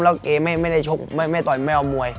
แล้วเกไม่ได้ชกไม่ต่อยไม่เอามวย